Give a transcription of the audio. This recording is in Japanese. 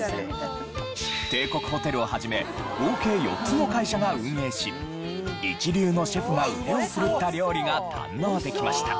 帝国ホテルを始め合計４つの会社が運営し一流のシェフが腕を振るった料理が堪能できました。